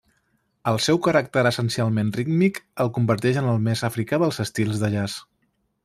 El seu caràcter essencialment rítmic el converteix en el més africà dels estils de jazz.